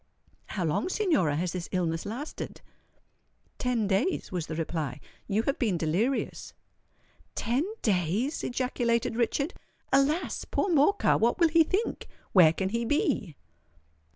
"How long, Signora, has this illness lasted?" "Ten days," was the reply. "You have been delirious." "Ten days!" ejaculated Richard. "Alas! poor Morcar—what will he think? where can he be?"